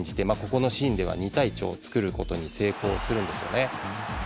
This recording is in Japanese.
このシーンでは２対１を作ることに成功するんですよね。